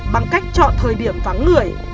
bằng cách chọn thời điểm vắng ngừa